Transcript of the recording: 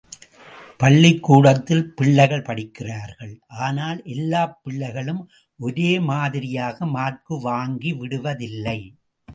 பள்ளிக்கூடத்தில் பிள்ளைகள் படிக்கிறார்கள், ஆனால் எல்லாப் பிள்ளைகளும் ஒரே மாதிரியாக மார்க்கு வாங்கிவிடுவதில்லை.